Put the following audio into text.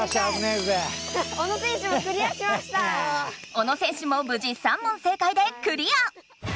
小野選手もぶじ３問正解でクリア！